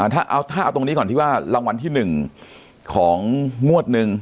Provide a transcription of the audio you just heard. ถ้าเอาตรงนี้ก่อนที่ว่ารางวัลที่๑ของงวดหนึ่ง